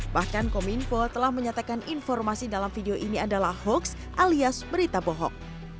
bahkan kominfo telah menyatakan informasi dalam video ini adalah hoax alias berita bohong